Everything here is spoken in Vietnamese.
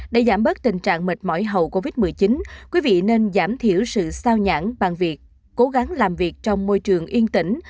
để giảm bớt tình trạng mệt mỏi hậu covid một mươi chín quý vị nên giảm thiểu sự sao nhãn bằng việc cố gắng làm việc trong môi trường yên tỉnh